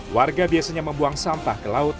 warga biasanya membuang sampah ke laut